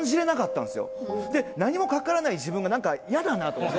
何もかからない自分が何か嫌だなと思って。